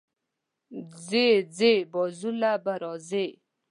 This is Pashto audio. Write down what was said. ځې ځې، بازو له به راځې